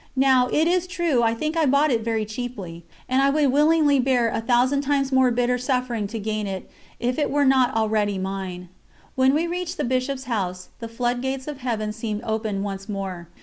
Now, it is true, I think I bought it very cheaply, and I would willingly bear a thousand times more bitter suffering to gain it, if it were not already mine. When we reached the Bishop's house, the floodgates of Heaven seemed open once more.